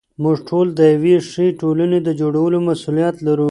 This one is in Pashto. موږ ټول د یوې ښې ټولنې د جوړولو مسوولیت لرو.